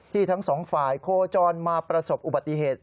ทั้งสองฝ่ายโคจรมาประสบอุบัติเหตุ